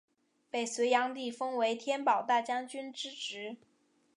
被隋炀帝封为天保大将军之职。